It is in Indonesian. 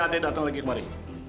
andai datang lagi kemari